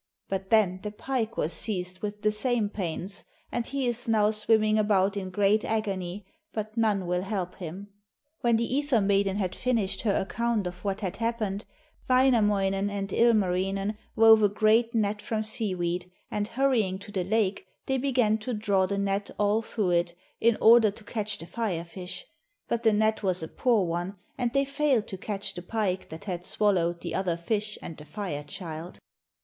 But then the pike was seized with the same pains, and he is now swimming about in great agony, but none will help him.' When the Ether maiden had finished her account of what had happened, Wainamoinen and Ilmarinen wove a great net from seaweed, and hurrying to the lake they began to draw the net all through it in order to catch the Fire fish. But the net was a poor one, and they failed to catch the pike that had swallowed the other fish and the Fire child.